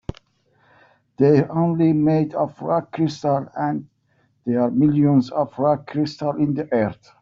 They're only made of rock crystal, and there are millions of rock crystals in the earth.